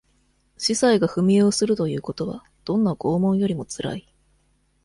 司祭が踏み絵をするということは、どんな拷問よりも辛い。